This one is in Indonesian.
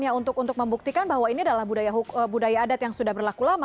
hanya untuk membuktikan bahwa ini adalah budaya adat yang sudah berlaku lama